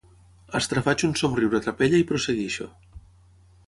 Estrafaig un somriure trapella i prossegueixo.